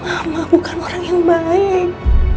ama bukan orang yang baik